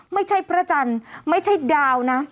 ไม่ใช่พระจันทร์ไม่ใช่ดาวนะ